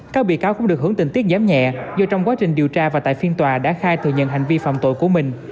các bị cáo cũng được hưởng tình tiết giảm nhẹ do trong quá trình điều tra và tại phiên tòa đã khai thừa nhận hành vi phạm tội của mình